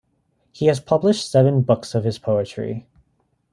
He has published seven books of his poetry.